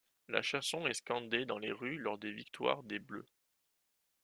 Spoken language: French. La chanson est scandée dans les rues lors des victoires des Bleus.